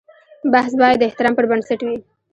بحث باید د احترام پر بنسټ وي.